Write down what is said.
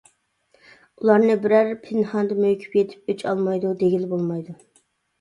ئۇلارنى بىرەر پىنھاندا مۆكۈپ يېتىپ ئۆچ ئالمايدۇ، دېگىلى بولمايدۇ.